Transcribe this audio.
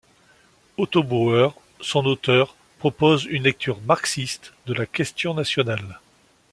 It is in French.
Otto Bauer, son auteur, propose une lecture marxiste de la question nationale.